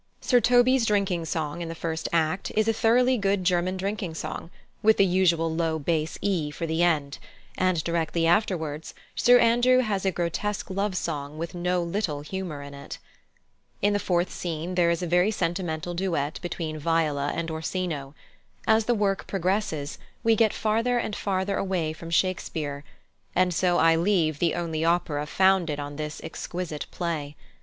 Sir Toby's drinking song in the first act is a thoroughly good German drinking song, with the usual low bass E for the end; and directly afterwards Sir Andrew has a grotesque love song with no little humour in it. In the fourth scene there is a very sentimental duet between Viola and Orsino. As the work progresses we get farther and farther away from Shakespeare, and so I leave the only opera founded on this exquisite play.